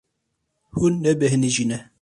Hûn nebêhnijîne.